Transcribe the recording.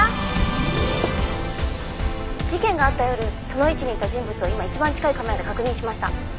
「事件があった夜その位置にいた人物を今一番近いカメラで確認しました」